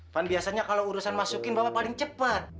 pan biasanya kalau urusan masukin bapak paling cepat